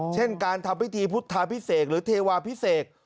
เช่นการทำพิธีพุทธาพิเศษหรือเทวาพิเศษ